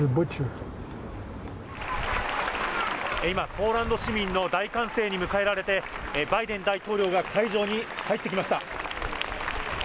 今、ポーランド市民の大歓声に迎えられて、バイデン大統領が会場に入ってきました。